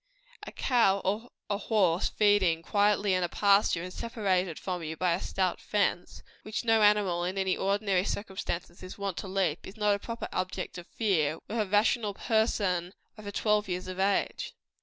A cow or a horse feeding quietly in a pasture, and separated from you by a stout fence, which no animal in any ordinary circumstances is wont to leap, is not a proper object of fear with a rational person over twelve years of age.